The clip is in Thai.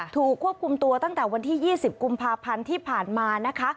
ถูกควบคุมตัวตั้งแต่วันที่๒๐กุมภาพันธ์ที่ผ่านมานะคะ